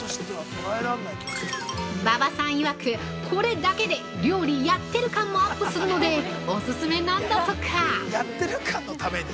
◆馬場さんいわく、これだけで料理やってる感もアップするので、オススメなんだとか！